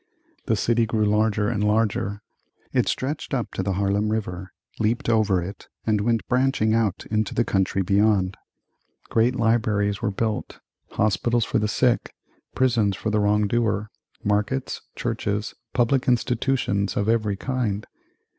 The city grew larger and larger. It stretched up to the Harlem River, leaped over it and went branching out into the country beyond. Great libraries were built; hospitals for the sick; prisons for the wrong doer, markets, churches, public institutions of every kind.